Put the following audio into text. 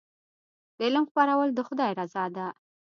د علم خپرول د خدای رضا ده.